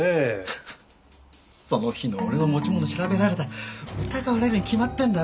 フフッその日の俺の持ち物調べられたら疑われるに決まってんだろ？